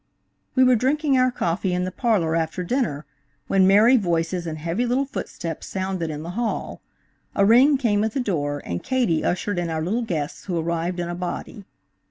We were drinking our coffee in the parlor after dinner, when merry voices and heavy little footsteps sounded in the hall; a ring came at the door, and Katie ushered in our little guests, who arrived in a body.